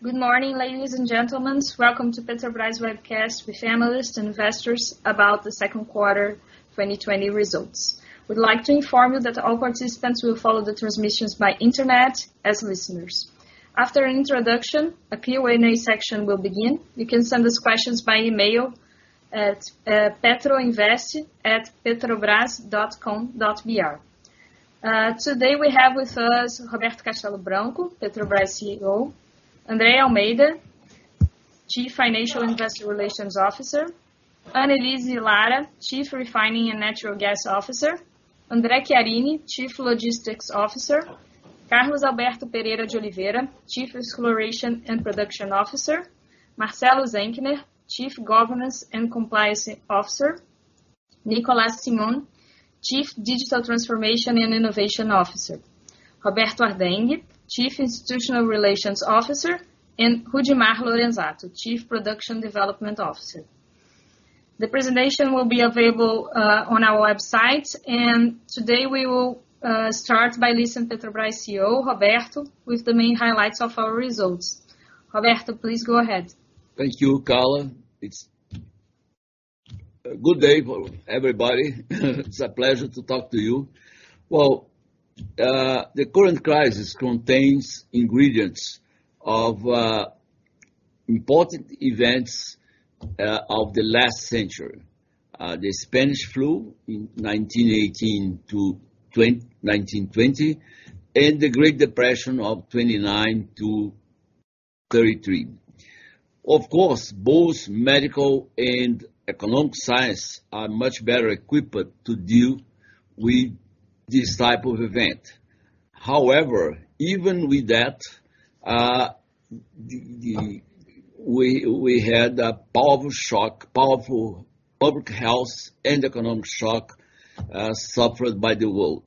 Good morning, ladies and gentlemen. Welcome to Petrobras webcast with analysts and investors about the second quarter 2020 results. We'd like to inform you that all participants will follow the transmissions by internet as listeners. After an introduction, a Q&A section will begin. You can send us questions by email at petroinvest@petrobras.com.br. Today we have with us Roberto Castello Branco, Petrobras CEO. Andrea Almeida, Chief Financial and Investor Relations Officer. Anelise Lara, Chief Refining and Natural Gas Officer. André Chiarini, Chief Logistics Officer. Carlos Alberto Pereira de Oliveira, Chief Exploration and Production Officer. Marcelo Zenkner, Chief Governance and Compliance Officer. Nicolás Simone, Chief Digital Transformation and Innovation Officer. Roberto Ardenghy, Chief Institutional Relations Officer, and Rudimar Lorenzatto, Chief Production Development Officer. Today we will start by listening to Petrobras CEO, Roberto, with the main highlights of our results. Roberto, please go ahead. Thank you, Carla. Good day everybody. It's a pleasure to talk to you. Well, the current crisis contains ingredients of important events of the last century, the Spanish flu in 1918 to 1920, and the Great Depression of 1929 to 1933. Of course, both medical and economic science are much better equipped to deal with this type of event. However, even with that, we had a powerful public health and economic shock suffered by the world.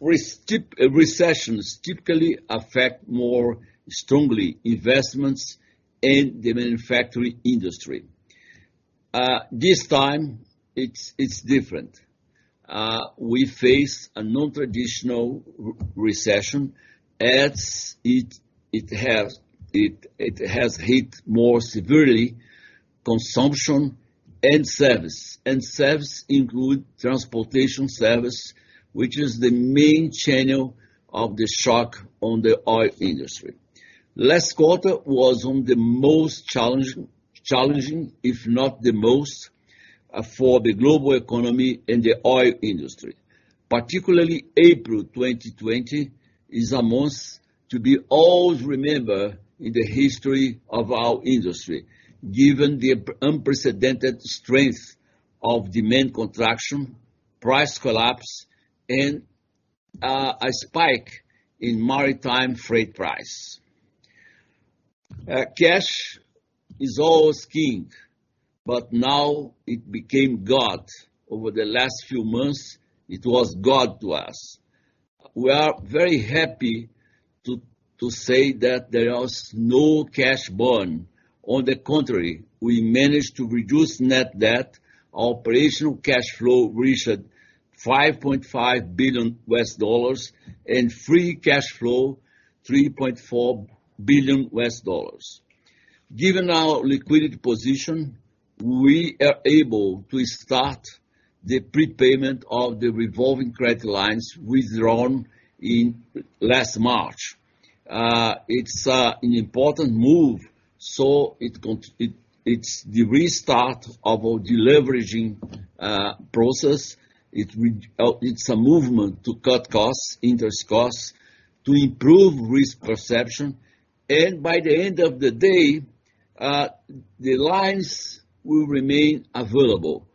Recessions typically affect more strongly investments and the manufacturing industry. This time it's different. We face a non-traditional recession, as it has hit more severely consumption and service. Service include transportation service, which is the main channel of the shock on the oil industry. Last quarter was one the most challenging, if not the most, for the global economy and the oil industry. Particularly April 2020 is a month to be always remembered in the history of our industry, given the unprecedented strength of demand contraction, price collapse, and a spike in maritime freight price. Cash is always king, but now it became God. Over the last few months, it was God to us. We are very happy to say that there was no cash burn. On the contrary, we managed to reduce net debt. Our operational cash flow reached $5.5 billion, and free cash flow, $3.4 billion. Given our liquidity position, we are able to start the prepayment of the revolving credit lines withdrawn in last March. It's an important move, so it's the restart of our deleveraging process. It's a movement to cut costs, interest costs, to improve risk perception. By the end of the day, the lines will remain available.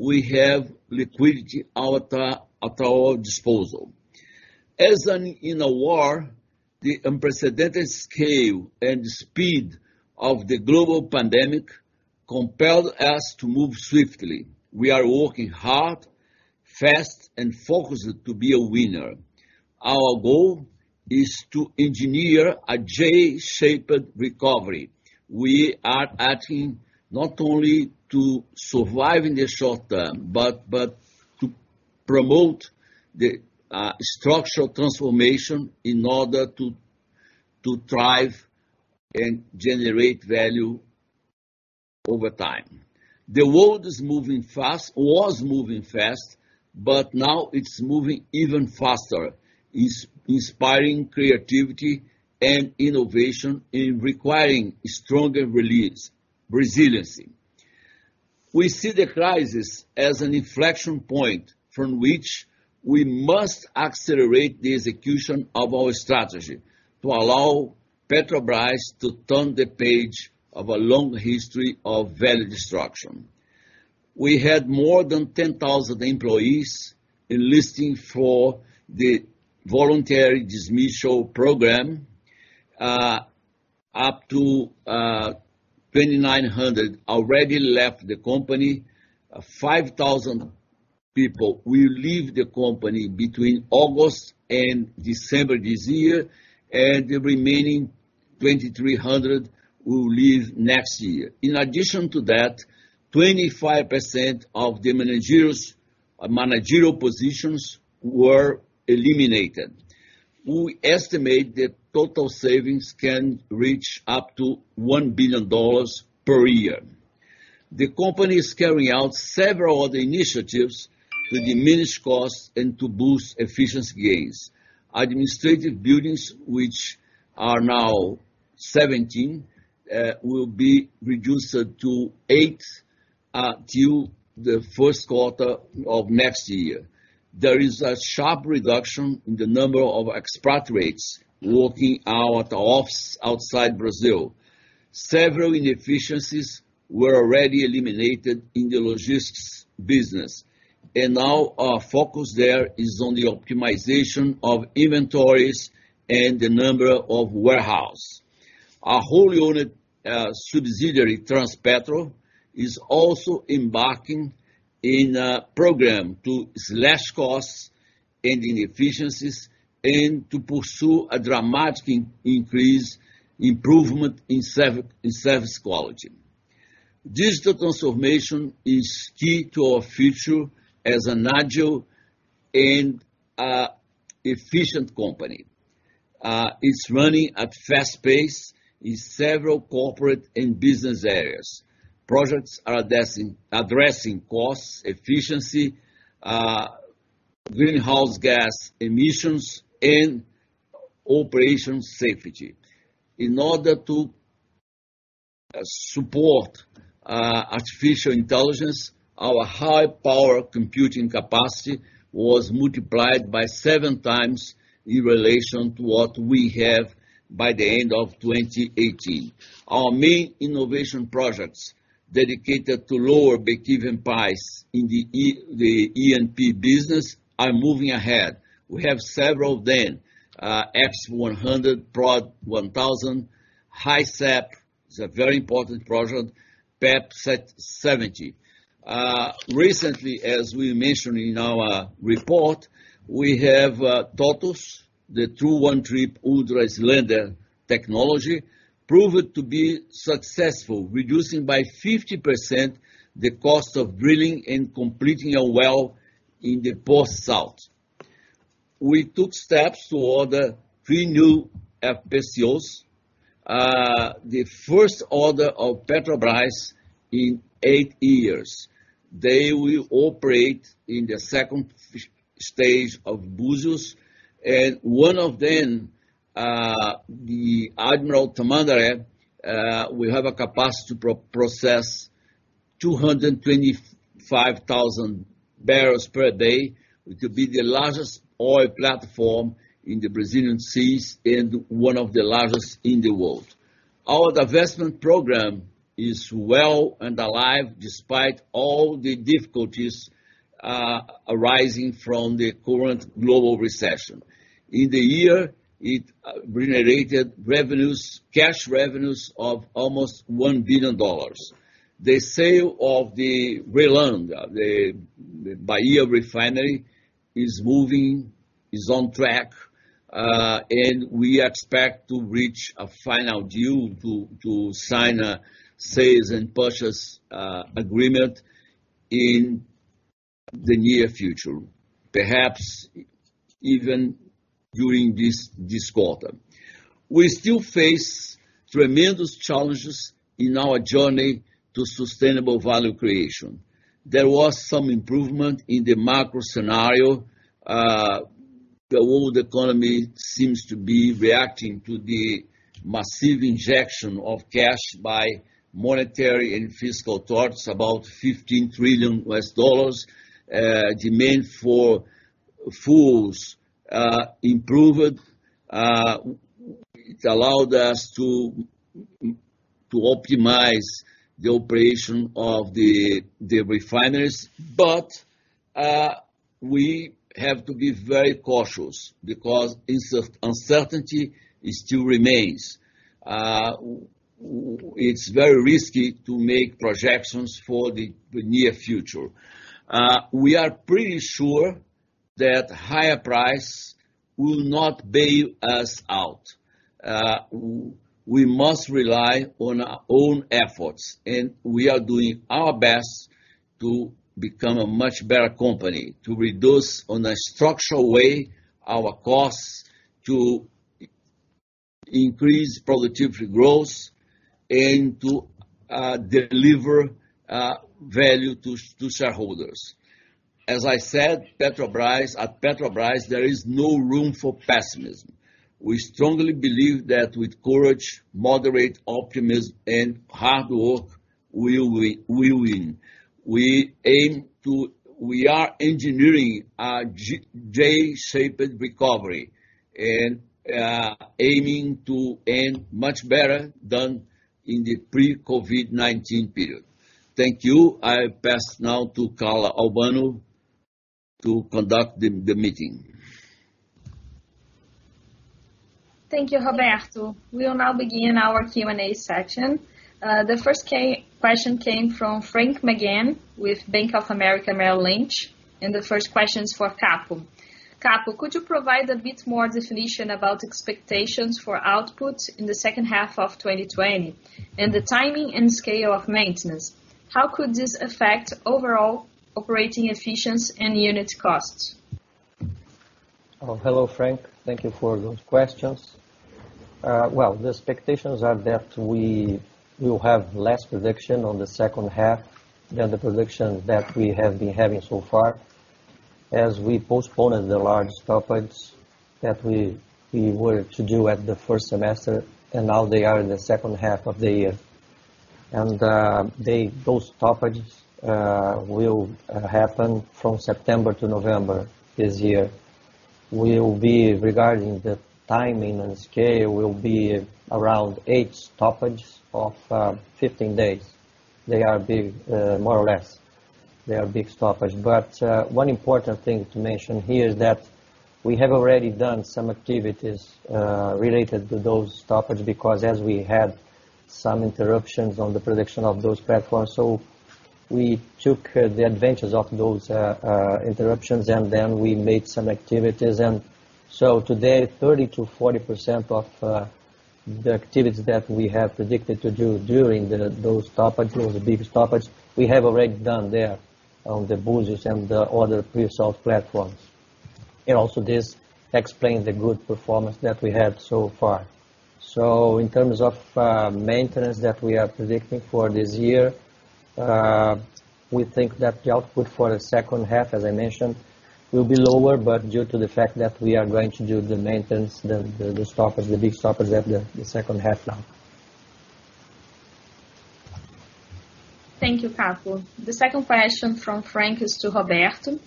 We have liquidity at our disposal. As in a war, the unprecedented scale and speed of the global pandemic compelled us to move swiftly. We are working hard, fast and focused to be a winner. Our goal is to engineer a J-shaped recovery. We are acting not only to survive in the short term, but to promote the structural transformation in order to thrive and generate value over time. The world was moving fast, now it's moving even faster, inspiring creativity and innovation and requiring stronger resiliency. We see the crisis as an inflection point from which we must accelerate the execution of our strategy to allow Petrobras to turn the page of a long history of value destruction. We had more than 10,000 employees enlisting for the voluntary dismissal program. Up to 2,900 already left the company. 5,000 people will leave the company between August and December this year, and the remaining 2,300 will leave next year. In addition to that, 25% of the managerial positions were eliminated. We estimate the total savings can reach up $1 billion per year. The company is carrying out several other initiatives to diminish costs and to boost efficiency gains. Administrative buildings, which are now 17, will be reduced to eight till the first quarter of next year. There is a sharp reduction in the number of expatriates working out of offices outside Brazil. Several inefficiencies were already eliminated in the logistics business, and now our focus there is on the optimization of inventories and the number of warehouses. Our wholly-owned subsidiary, Transpetro, is also embarking in a program to slash costs and inefficiencies and to pursue a dramatic increase improvement in service quality. Digital transformation is key to our future as an agile and efficient company. It's running at a fast pace in several corporate and business areas. Projects are addressing costs, efficiency, greenhouse gas emissions, and operation safety. In order to support artificial intelligence, our high-power computing capacity was multiplied by seven times in relation to what we have by the end of 2018. Our main innovation projects dedicated to lower break-even prices in the E&P business are moving ahead. We have several of them. EXP 100, PROD 1000, HISEP is a very important project, P-70. Recently, as we mentioned in our report, we have TOTUS, the True One Trip Ultra-Slender Technology, proved to be successful, reducing by 50% the cost of drilling and completing a well in the post-salt. We took steps to order three new FPSOs, the first order of Petrobras in eight years. They will operate in the second stage of Buzios, and one of them, the Almirante Tamandaré, will have a capacity to process 225,000 barrels per day, to be the largest oil platform in the Brazilian seas and one of the largest in the world. Our divestment program is well and alive despite all the difficulties arising from the current global recession. In the year, it generated cash revenues of almost $1 billion. The sale of the RLAM, the Bahia Refinery, is moving, is on track. We expect to reach a final deal to sign a sales and purchase agreement in the near future, perhaps even during this quarter. We still face tremendous challenges in our journey to sustainable value creation. There was some improvement in the macro scenario. The world economy seems to be reacting to the massive injection of cash by monetary and fiscal authorities, about $15 trillion. Demand for fuels improved. It allowed us to optimize the operation of the refineries. We have to be very cautious because uncertainty still remains. It's very risky to make projections for the near future. We are pretty sure that higher price will not bail us out. We must rely on our own efforts, and we are doing our best to become a much better company, to reduce on a structural way our costs, to increase productivity growth, and to deliver value to shareholders. As I said, at Petrobras, there is no room for pessimism. We strongly believe that with courage, moderate optimism, and hard work, we win. We are engineering a J-shaped recovery and aiming to end much better than in the pre-COVID-19 period. Thank you. I pass now to Carla Albano to conduct the meeting. Thank you, Roberto. We'll now begin our Q&A session. The first question came from Frank McGann with Bank of America Merrill Lynch. The first question is for Capo. Capo, could you provide a bit more definition about expectations for output in the second half of 2020, and the timing and scale of maintenance? How could this affect overall operating efficiency and unit costs? Hello, Frank. Thank you for those questions. Well, the expectations are that we will have less production on the second half than the production that we have been having so far, as we postponed the large stoppages that we were to do at the first semester, and now they are in the second half of the year. Those stoppages will happen from September to November this year. Regarding the timing and scale, will be around eight stoppages of 15 days, more or less. They are big stoppages. One important thing to mention here is that we have already done some activities related to those stoppages, because as we had some interruptions on the production of those platforms, so we took the advantage of those interruptions, and then we made some activities. Today, 30% to 40% of the activities that we have predicted to do during those stoppages, those are the biggest stoppages, we have already done there on the Búzios and the other pre-salt platforms. Also, this explains the good performance that we had so far. In terms of maintenance that we are predicting for this year, we think that the output for the second half, as I mentioned, will be lower but due to the fact that we are going to do the maintenance, the big stoppages at the second half now. Thank you, Capo. The second question from Frank is to Roberto.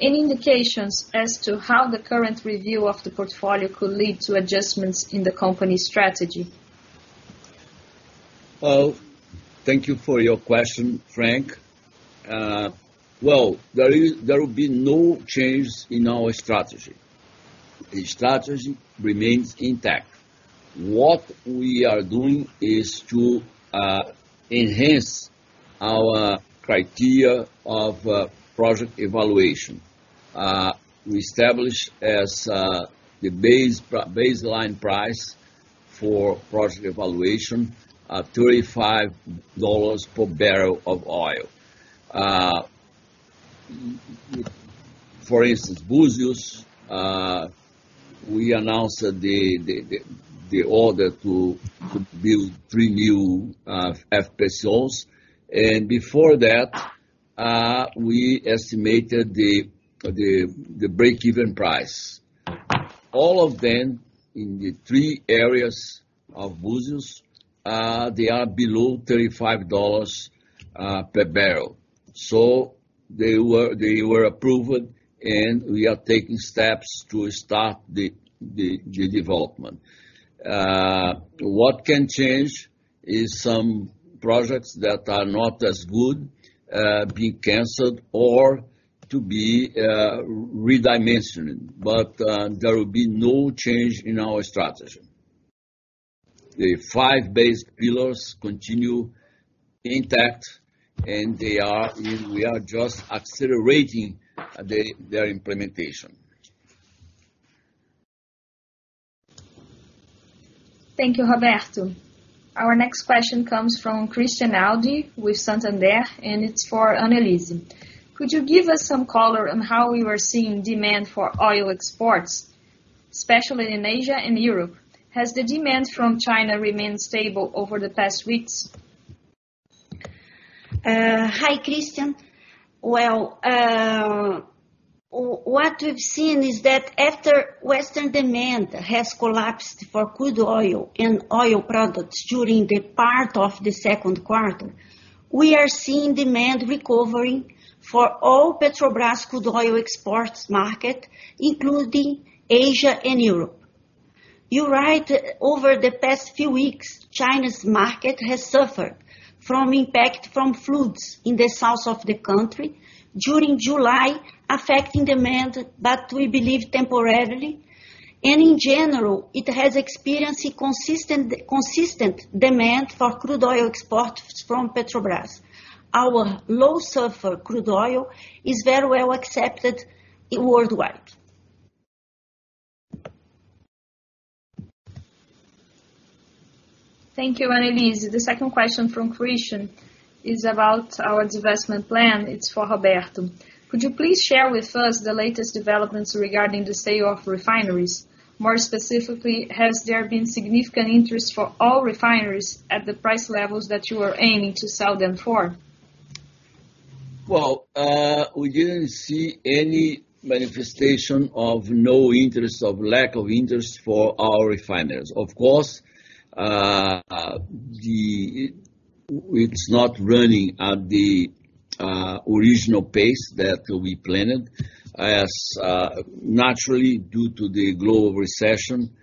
Any indications as to how the current review of the portfolio could lead to adjustments in the company's strategy? Well, thank you for your question, Frank. Well, there will be no change in our strategy. The strategy remains intact. What we are doing is to enhance our criteria of project evaluation. We established as the baseline price for project evaluation, $35 per barrel of oil. For instance, Búzios, we announced the order to build three new FPSOs. Before that, we estimated the break-even price. All of them in the three areas of Búzios, they are below $35 per barrel. They were approved, and we are taking steps to start the development. What can change is some projects that are not as good being canceled or to be redimensioned, but there will be no change in our strategy. The five base pillars continue intact, and we are just accelerating their implementation. Thank you, Roberto. Our next question comes from Christian Audi with Santander, and it's for Anelise. Could you give us some color on how you are seeing demand for oil exports, especially in Asia and Europe? Has the demand from China remained stable over the past weeks? Hi, Christian. Well, what we've seen is that after Western demand has collapsed for crude oil and oil products during the part of the second quarter, we are seeing demand recovering for all Petrobras crude oil exports market, including Asia and Europe. You're right. Over the past few weeks, China's market has suffered from impact from floods in the south of the country during July, affecting demand, but we believe temporarily. In general, it has experienced a consistent demand for crude oil exports from Petrobras. Our low-sulfur crude oil is very well accepted worldwide. Thank you, Anelise. The second question from Christian is about our divestment plan. It's for Roberto. Could you please share with us the latest developments regarding the sale of refineries? More specifically, has there been significant interest for all refineries at the price levels that you are aiming to sell them for? Well, we didn't see any manifestation of no interest or lack of interest for our refineries. Of course, it's not running at the original pace that we planned. Naturally, due to the global recession,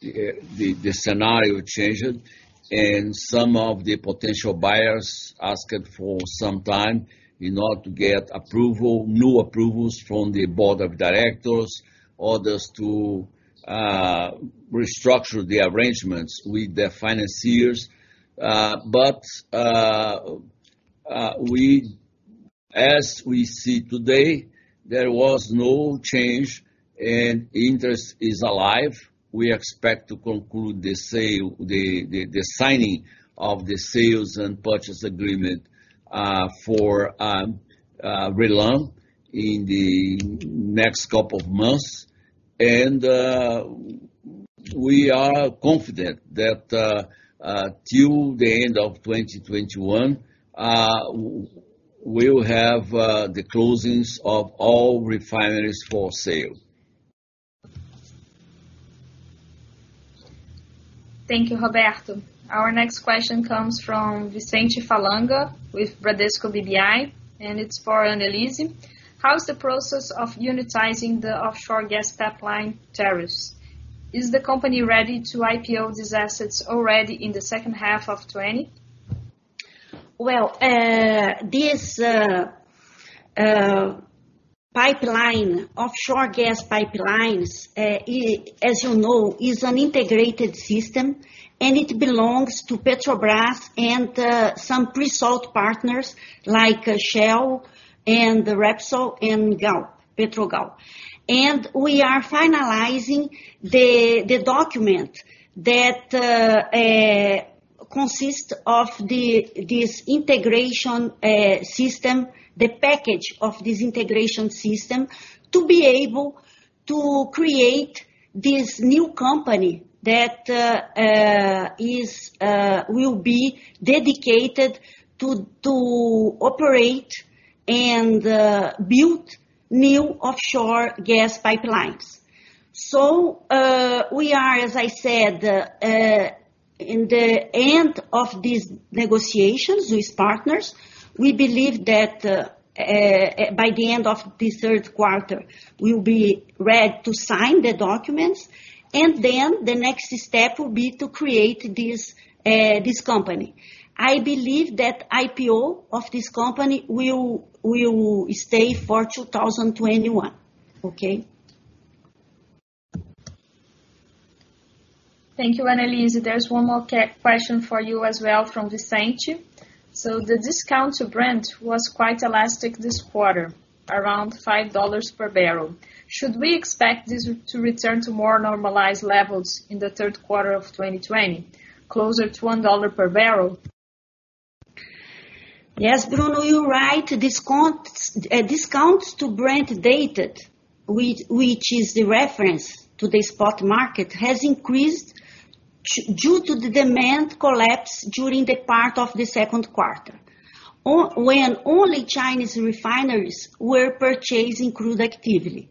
the scenario changed, and some of the potential buyers asked for some time in order to get new approvals from the board of directors, others to restructure the arrangements with their financiers. As we see today, there was no change and interest is alive. We expect to conclude the signing of the sales and purchase agreement for RLAM in the next couple of months. We are confident that till the end of 2021, we will have the closings of all refineries for sale. Thank you, Roberto. Our next question comes from Vicente Falanga with Bradesco BBI, and it's for Anelise. How is the process of unitizing the offshore gas pipeline, Terras? Is the company ready to IPO these assets already in the second half of 2020? Well, this offshore gas pipelines, as you know, is an integrated system. It belongs to Petrobras and some pre-salt partners like Shell and Repsol and Galp, Petrogal. We are finalizing the document that consists of this integration system, the package of this integration system, to be able to create this new company that will be dedicated to operate and build new offshore gas pipelines. We are, as I said, in the end of these negotiations with partners. We believe that by the end of this third quarter, we will be ready to sign the documents. The next step will be to create this company. I believe that IPO of this company will stay for 2021. Okay? Thank you, Anelise. There's one more question for you as well from Vicente. The discount to Brent was quite elastic this quarter, around $5 per barrel. Should we expect this to return to more normalized levels in the third quarter of 2020, closer to $1 per barrel? Yes, Bruno, you're right. Discounts to Brent dated, which is the reference to the spot market, has increased due to the demand collapse during the part of the second quarter when only Chinese refineries were purchasing crude actively.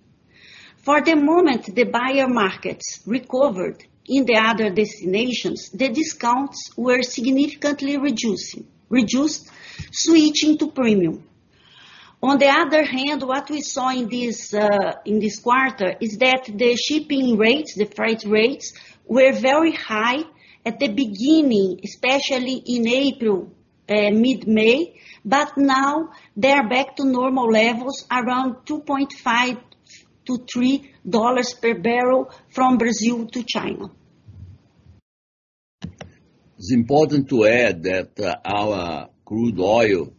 For the moment, the buyer markets recovered in the other destinations, the discounts were significantly reduced, switching to premium. On the other hand, what we saw in this quarter is that the shipping rates, the freight rates, were very high at the beginning, especially in April, mid-May. Now they are back to normal levels around BRL 2.50-BRL 3 per barrel from Brazil to China. It's important to add that our crude oil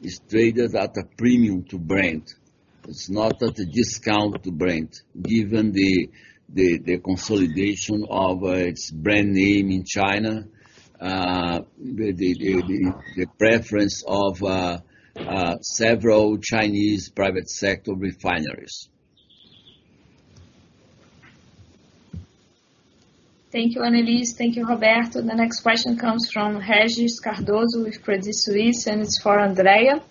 is traded at a premium to Brent. It's not at a discount to Brent, given the consolidation of its brand name in China, the preference of several Chinese private sector refineries. Thank you, Anelise. Thank you, Roberto. The next question comes from Regis Cardoso with Credit Suisse, and it's for Andrea.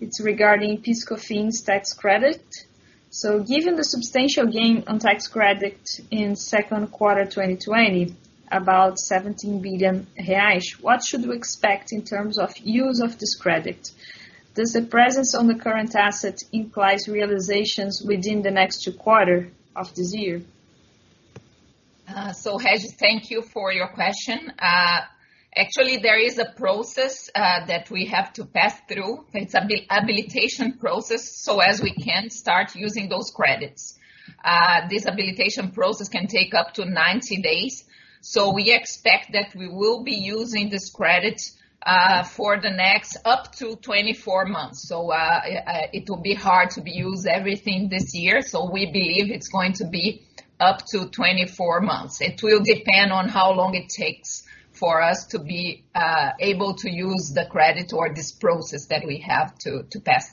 It's regarding PIS/Cofins tax credit. Given the substantial gain on tax credit in second quarter 2020, about 17 billion reais, what should we expect in terms of use of this credit? Does the presence on the current asset implies realizations within the next two quarter of this year? Regis, thank you for your question. Actually, there is a process that we have to pass through. It's an habilitation process, so as we can start using those credits. This habilitation process can take up to 90 days. We expect that we will be using this credit for the next up to 24 months. It will be hard to use everything this year. We believe it's going to be up to 24 months. It will depend on how long it takes for us to be able to use the credit or this process that we have to pass.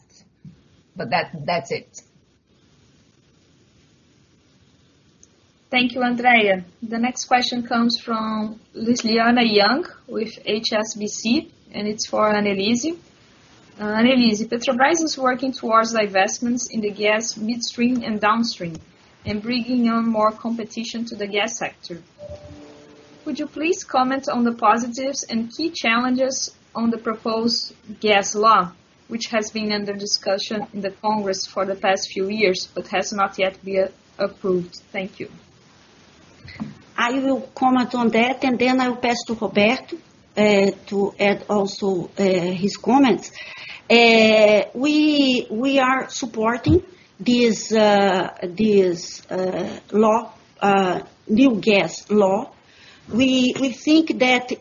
That's it. Thank you, Andrea. The next question comes from Lilyanna Yang with HSBC, and it's for Anelise. Anelise, Petrobras is working towards divestments in the gas midstream and downstream and bringing on more competition to the gas sector. Would you please comment on the positives and key challenges on the proposed gas law, which has been under discussion in the Congress for the past few years but has not yet been approved? Thank you. I will comment on that, and then I will pass to Roberto to add also his comments. We are supporting this new gas law. We think that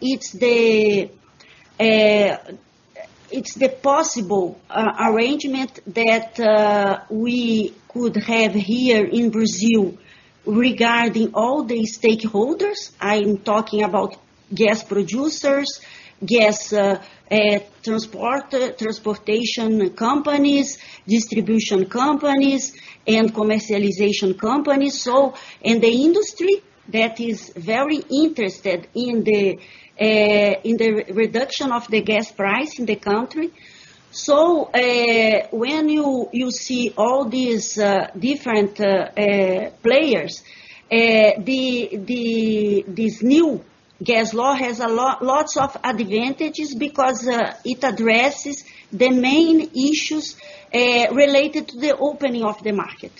it's the possible arrangement that we could have here in Brazil regarding all the stakeholders. I'm talking about gas producers, gas transportation companies, distribution companies, and commercialization companies. The industry that is very interested in the reduction of the gas price in the country. When you see all these different players, this new gas law has lots of advantages because it addresses the main issues related to the opening of the market.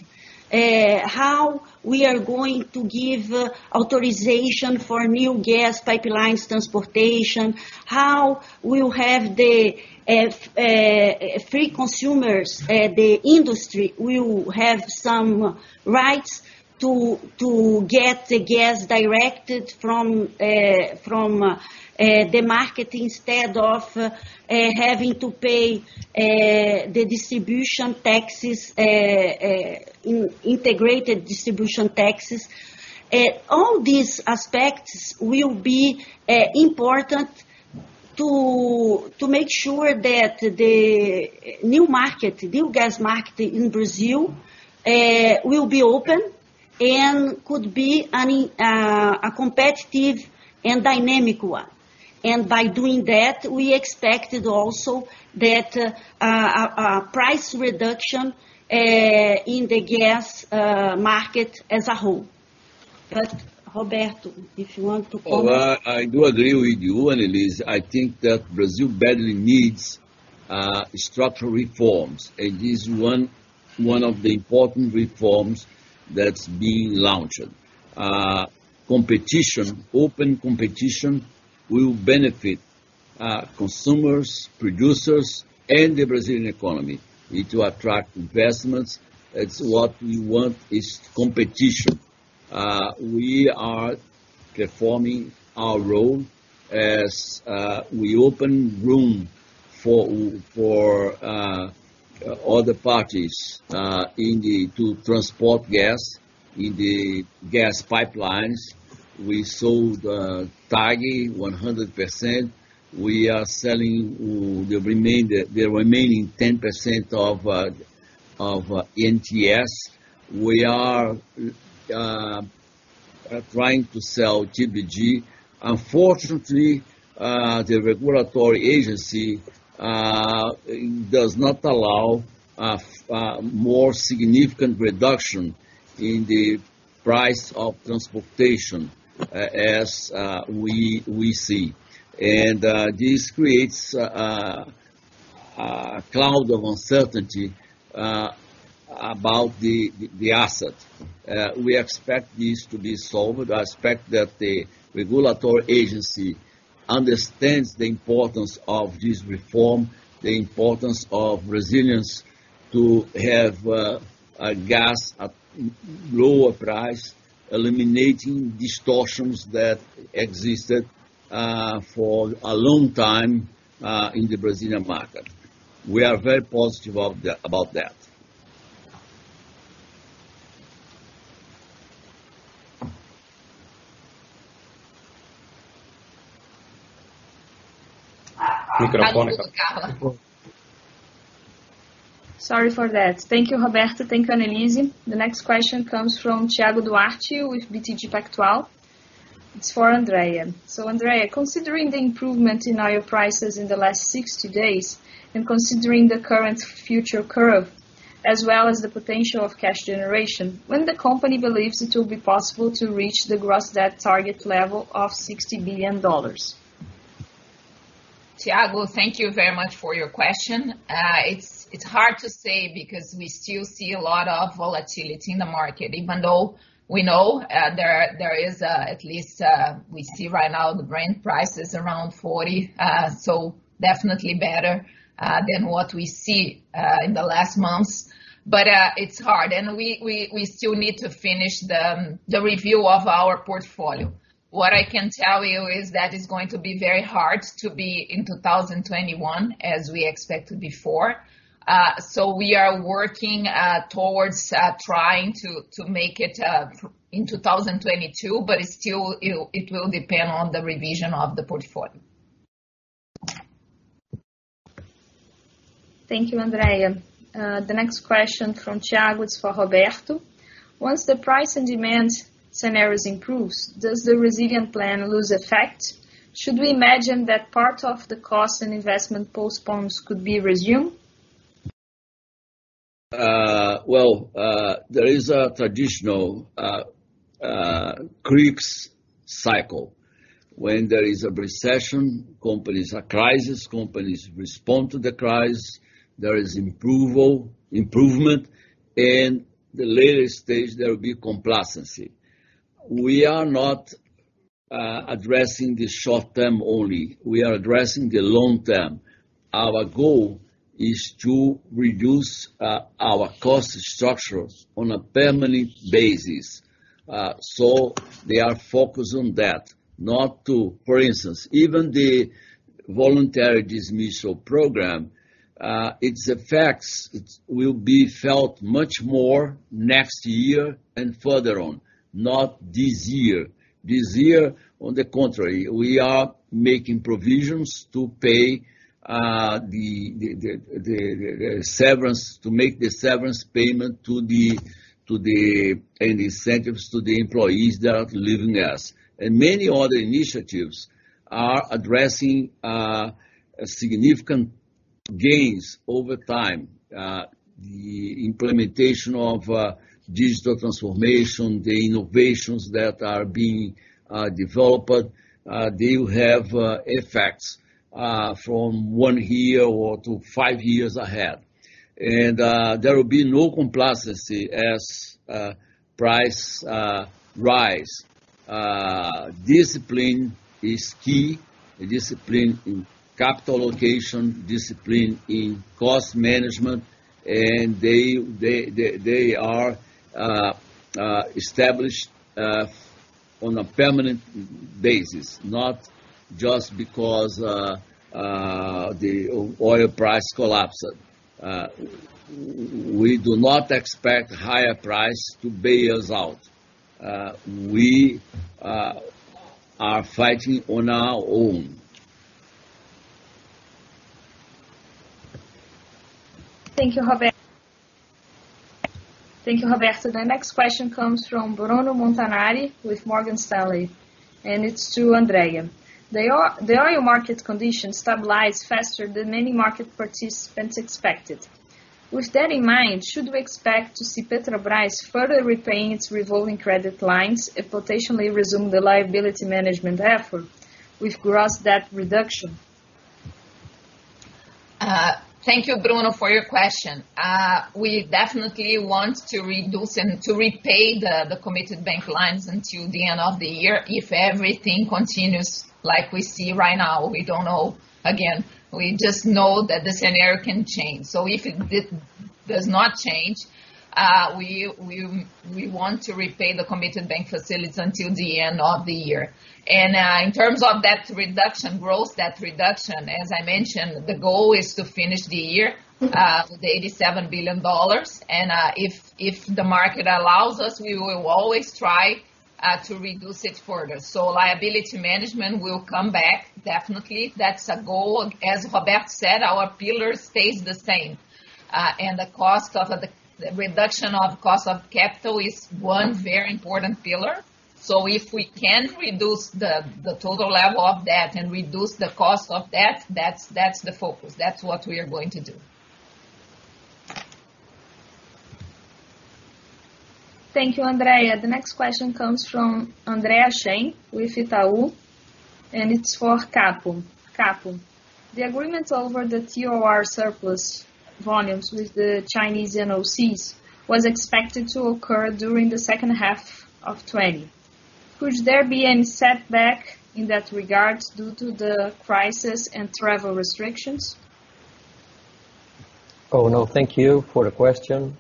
How we are going to give authorization for new gas pipelines transportation, how we will have the free consumers, the industry will have some rights to get the gas directed from the market, instead of having to pay the distribution taxes, integrated distribution taxes. All these aspects will be important to make sure that the new gas market in Brazil will be open and could be a competitive and dynamic one. By doing that, we expected also that a price reduction in the gas market as a whole. Roberto, if you want to comment. Well, I do agree with you, Anelise. I think that Brazil badly needs structural reforms, and this is one of the important reforms that's being launched. Open competition will benefit consumers, producers, and the Brazilian economy. We need to attract investments. It's what we want, is competition. We are performing our role as we open room for other parties to transport gas in the gas pipelines. We sold TAG 100%. We are selling the remaining 10% of NTS. We are trying to sell TBG. Unfortunately, the regulatory agency does not allow a more significant reduction in the price of transportation as we see, and this creates a cloud of uncertainty about the asset. We expect this to be solved. I expect that the regulatory agency understands the importance of this reform, the importance of Brazilians to have gas at lower price, eliminating distortions that existed for a long time in the Brazilian market. We are very positive about that. Sorry for that. Thank you, Roberto. Thank you, Anelise. The next question comes from Thiago Duarte with BTG Pactual. It's for Andrea. Andrea, considering the improvement in oil prices in the last 60 days, and considering the current future curve, as well as the potential of cash generation, when the company believes it will be possible to reach the gross debt target level of $60 billion? Thiago, thank you very much for your question. It's hard to say because we still see a lot of volatility in the market, even though we know there is at least, we see right now the Brent price is around $40. Definitely better than what we see in the last months. It's hard, and we still need to finish the review of our portfolio. What I can tell you is that it's going to be very hard to be in 2021 as we expected before. We are working towards trying to make it in 2022, but still, it will depend on the revision of the portfolio. Thank you, Andrea. The next question from Thiago, it's for Roberto. Once the price and demand scenarios improves, does the resilient plan lose effect? Should we imagine that part of the cost and investment postpones could be resumed? Well, there is a traditional crisis cycle. When there is a recession, companies are crisis, companies respond to the crisis. There is improvement. The later stage, there will be complacency. We are not addressing the short term only. We are addressing the long term. Our goal is to reduce our cost structures on a permanent basis. They are focused on that. For instance, even the voluntary dismissal program, its effects will be felt much more next year and further on, not this year. This year, on the contrary, we are making provisions to make the severance payment and the incentives to the employees that are leaving us. Many other initiatives are addressing significant gains over time. The implementation of digital transformation, the innovations that are being developed, they will have effects from one year or to five years ahead. There will be no complacency as prices rise. Discipline is key. Discipline in capital allocation, discipline in cost management, and they are established on a permanent basis, not just because the oil price collapsed. We do not expect higher price to bail us out. We are fighting on our own. Thank you, Roberto. The next question comes from Bruno Montanari with Morgan Stanley, and it's to Andrea. The oil market conditions stabilized faster than many market participants expected. With that in mind, should we expect to see Petrobras further repaying its revolving credit lines and potentially resume the liability management effort with gross debt reduction? Thank you, Bruno, for your question. We definitely want to reduce and to repay the committed bank lines until the end of the year, if everything continues like we see right now. We don't know. Again, we just know that the scenario can change. If it does not change, we want to repay the committed bank facilities until the end of the year. In terms of gross debt reduction, as I mentioned, the goal is to finish the year with $87 billion. If the market allows us, we will always try to reduce it further. Liability management will come back, definitely. That's a goal. As Roberto said, our pillar stays the same. The reduction of cost of capital is one very important pillar. If we can reduce the total level of debt and reduce the cost of debt, that's the focus. That's what we are going to do. Thank you, Andrea. The next question comes from Andre Hachem with Itaú, and it's for Capo. Capo, the agreement over the TOR surplus volumes with the Chinese NOCs was expected to occur during the second half of 2020. Could there be any setback in that regard due to the crisis and travel restrictions? Thank you for the question.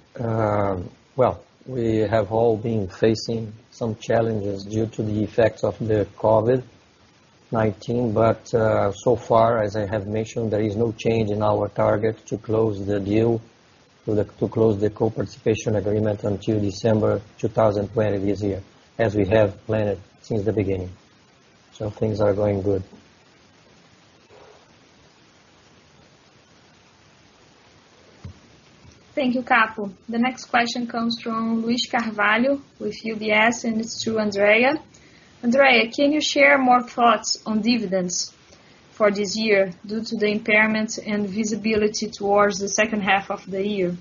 We have all been facing some challenges due to the effects of the COVID-19. So far, as I have mentioned, there is no change in our target to close the deal, to close the co-participation agreement until December 2020 this year, as we have planned since the beginning. Things are going good. Thank you, Capo. The next question comes from Luiz Carvalho with UBS, and it's to Andrea. Andrea, can you share more thoughts on dividends for this year due to the impairment and visibility towards the second half of the year?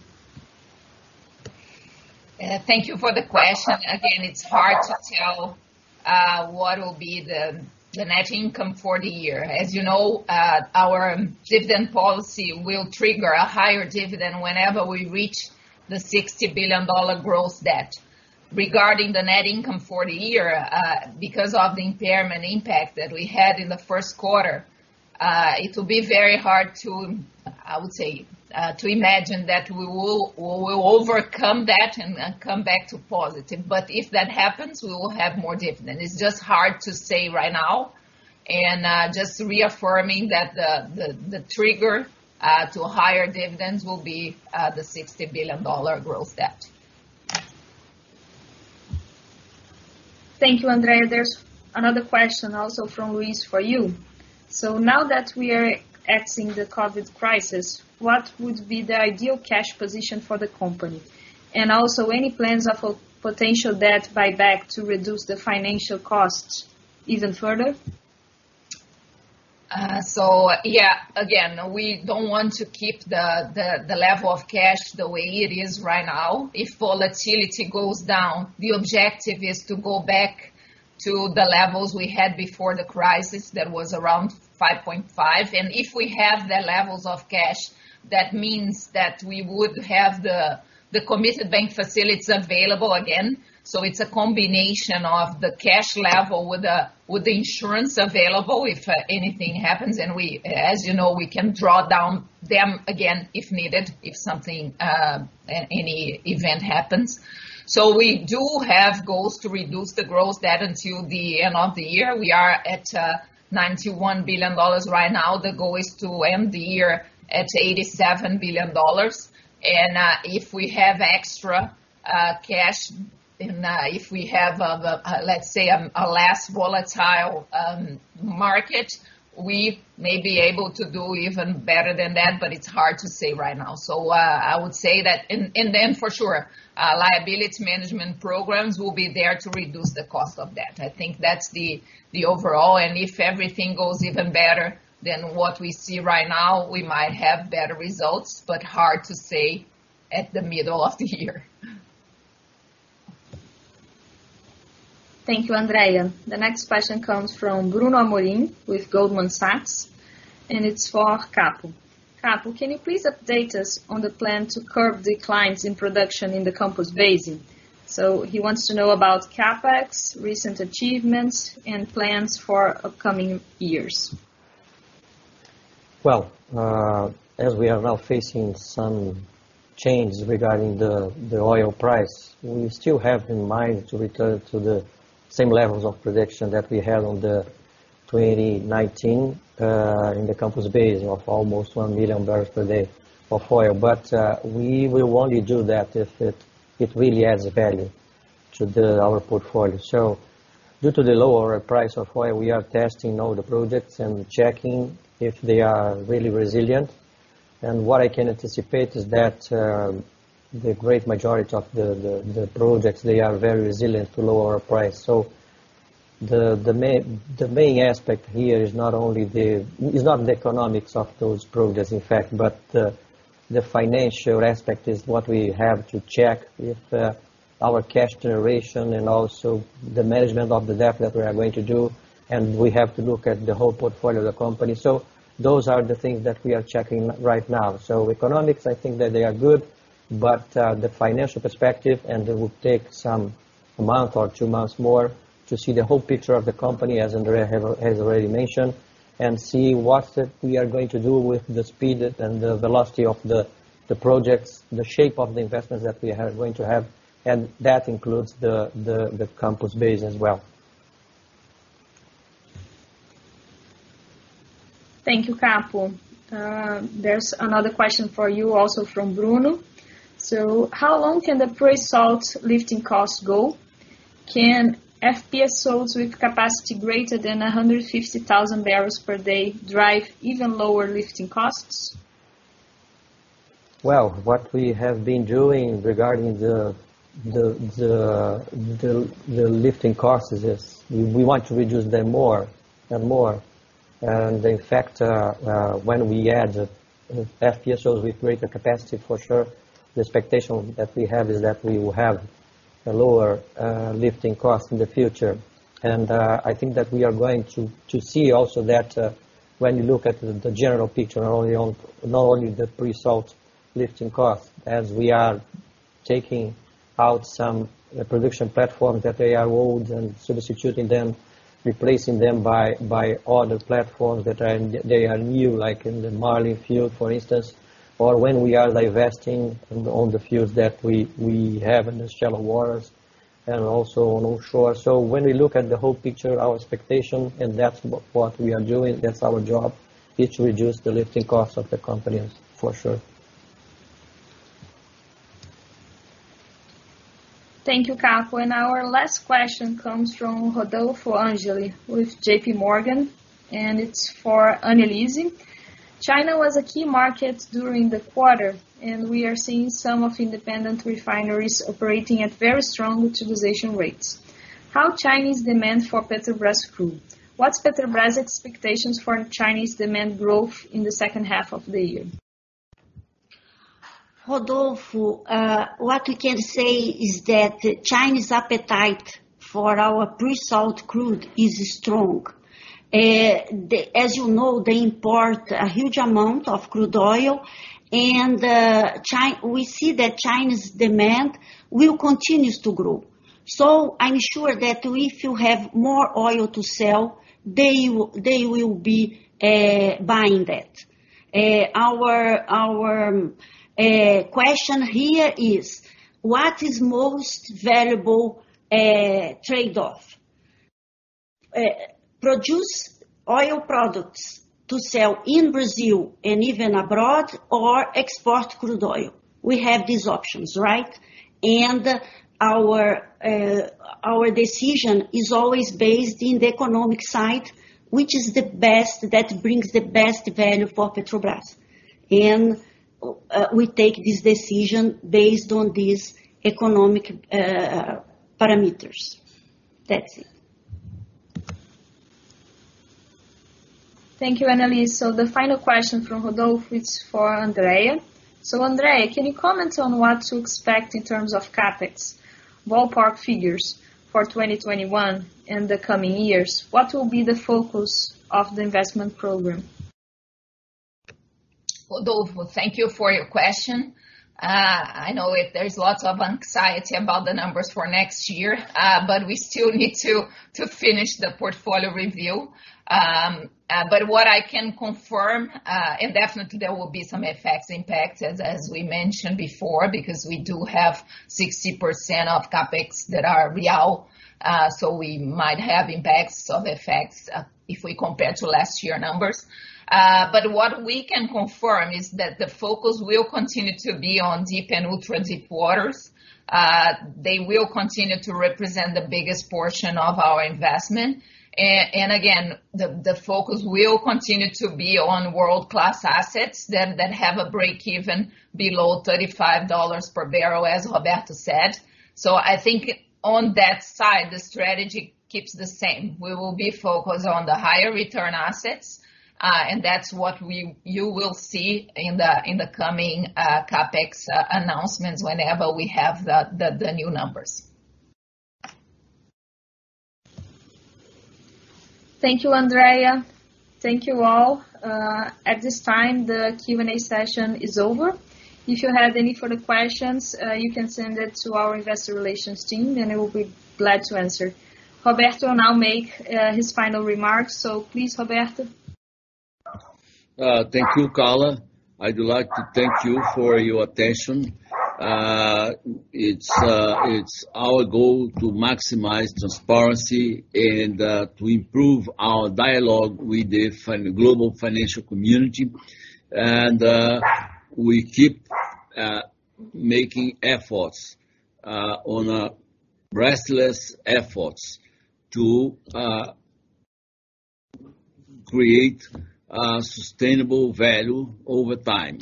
Thank you for the question. Again, it's hard to tell what will be the net income for the year. As you know, our dividend policy will trigger a higher dividend whenever we reach the $60 billion gross debt. Regarding the net income for the year, because of the impairment impact that we had in the first quarter, it will be very hard, I would say, to imagine that we will overcome that and come back to positive. If that happens, we will have more dividend. It's just hard to say right now, and just reaffirming that the trigger to higher dividends will be the $60 billion gross debt. Thank you, Andrea. There's another question also from Luiz for you. Now that we are exiting the COVID crisis, what would be the ideal cash position for the company? Also, any plans of potential debt buyback to reduce the financial costs even further? Yeah, again, we don't want to keep the level of cash the way it is right now. If volatility goes down, the objective is to go back to the levels we had before the crisis, that was around $5.5 billion. If we have the levels of cash, that means that we would have the committed bank facilities available again. It's a combination of the cash level with the insurance available if anything happens. As you know, we can draw down them again if needed, if any event happens. We do have goals to reduce the gross debt until the end of the year. We are at $91 billion right now. The goal is to end the year at $87 billion. If we have extra cash, and if we have, let's say, a less volatile market, we may be able to do even better than that, but it's hard to say right now. I would say that. Then for sure, liability management programs will be there to reduce the cost of that. I think that's the overall, and if everything goes even better than what we see right now, we might have better results, but hard to say at the middle of the year. Thank you, Andrea. The next question comes from Bruno Amorim with Goldman Sachs, and it's for Capo. Capo, can you please update us on the plan to curb declines in production in the Campos Basin? He wants to know about CapEx, recent achievements, and plans for upcoming years. Well, as we are now facing some changes regarding the oil price, we still have in mind to return to the same levels of production that we had in 2019, in the Campos Basin of almost 1 million barrels per day of oil. We will only do that if it really adds value to our portfolio. Due to the lower price of oil, we are testing all the projects and checking if they are really resilient. What I can anticipate is that the great majority of the projects, they are very resilient to lower oil price. The main aspect here is not the economics of those projects, in fact, but the financial aspect is what we have to check if our cash generation and also the management of the debt that we are going to do, and we have to look at the whole portfolio of the company. Those are the things that we are checking right now. Economics, I think that they are good, but the financial perspective, and it will take some month or two months more to see the whole picture of the company, as Andrea has already mentioned, and see what we are going to do with the speed and the velocity of the projects, the shape of the investments that we are going to have, and that includes the Campos Basin as well. Thank you, Capo. There's another question for you also from Bruno. How long can the pre-salt lifting costs go? Can FPSOs with capacity greater than 150,000 barrels per day drive even lower lifting costs? Well, what we have been doing regarding the lifting costs is we want to reduce them more and more. In fact, when we add FPSOs with greater capacity, for sure, the expectation that we have is that we will have a lower lifting cost in the future. I think that we are going to see also that when you look at the general picture not only on the pre-salt lifting cost, as we are taking out some production platforms that they are old and substituting them, replacing them by other platforms that they are new, like in the Marlim field, for instance, or when we are divesting on the fields that we have in the shallow waters and also on offshore. When we look at the whole picture, our expectation, and that's what we are doing, that's our job, is to reduce the lifting cost of the company for sure. Thank you, Capo. Our last question comes from Rodolfo Angele with JPMorgan, and it's for Anelise. China was a key market during the quarter, and we are seeing some of independent refineries operating at very strong utilization rates. How Chinese demand for Petrobras crude? What's Petrobras expectations for Chinese demand growth in the second half of the year? Rodolfo, what we can say is that Chinese appetite for our pre-salt crude is strong. As you know, they import a huge amount of crude oil, and we see that Chinese demand will continue to grow. I'm sure that if you have more oil to sell, they will be buying that. Our question here is, what is most valuable trade-off? Produce oil products to sell in Brazil and even abroad, or export crude oil? We have these options, right? Our decision is always based in the economic side, which is the best that brings the best value for Petrobras. We take this decision based on these economic parameters. That's it. Thank you, Anelise. The final question from Rodolfo, it's for Andrea. Andrea, can you comment on what to expect in terms of CapEx, ballpark figures for 2021 and the coming years? What will be the focus of the investment program? Rodolfo, thank you for your question. I know there's lots of anxiety about the numbers for next year, we still need to finish the portfolio review. What I can confirm, definitely there will be some effects impact as we mentioned before, because we do have 60% of CapEx that are real, we might have impacts of effects if we compare to last year numbers. Again, the focus will continue to be on deep and ultra-deep waters. They will continue to represent the biggest portion of our investment. Again, the focus will continue to be on world-class assets that have a break-even below $35 per barrel, as Roberto said. I think on that side, the strategy keeps the same. We will be focused on the higher return assets, and that's what you will see in the coming CapEx announcements whenever we have the new numbers. Thank you, Andrea. Thank you all. At this time, the Q&A session is over. If you have any further questions, you can send it to our investor relations team, and they will be glad to answer. Roberto will now make his final remarks. Please, Roberto. Thank you, Carla. I'd like to thank you for your attention. It's our goal to maximize transparency and to improve our dialogue with the global financial community. We keep making efforts, restless efforts to create sustainable value over time.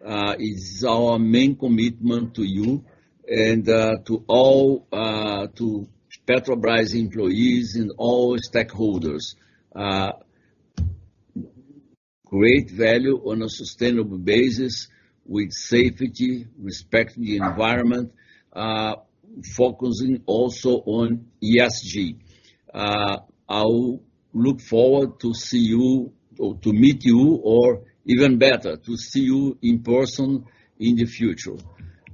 It's our main commitment to you and to all Petrobras employees and all stakeholders. Create value on a sustainable basis with safety, respecting the environment, focusing also on ESG. I'll look forward to see you or to meet you, or even better, to see you in person in the future.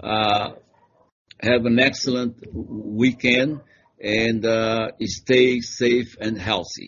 Have an excellent weekend, and stay safe and healthy.